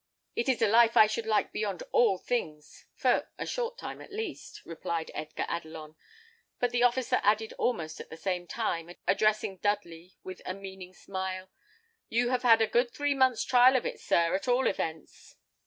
"It is a life I should like beyond all things, for a short time at least," replied Edgar Adelon; but the officer added almost at the same time, addressing Dudley, with a meaning smile, "You have had a good three months' trial of it, sir, at all events."